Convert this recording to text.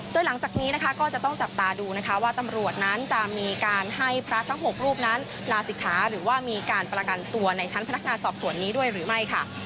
โดยหลังจากนี้นะคะก็จะต้องจับตาดูนะคะว่าตำรวจนั้นจะมีการให้พระทั้ง๖รูปนั้นลาศิกขาหรือว่ามีการประกันตัวในชั้นพนักงานสอบสวนนี้ด้วยหรือไม่ค่ะ